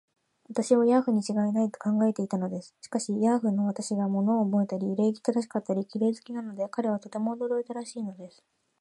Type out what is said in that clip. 私をヤーフにちがいない、と考えていたのです。しかし、ヤーフの私が物をおぼえたり、礼儀正しかったり、綺麗好きなので、彼はとても驚いたらしいのです。